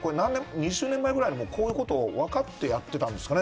２０年前ぐらいに、こういうこと分かってやってたんですかね